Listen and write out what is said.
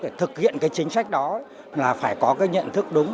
để thực hiện chính sách đó là phải có nhận thức đúng